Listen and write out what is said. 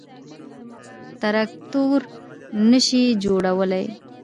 تراکتور نه شي جوړولای.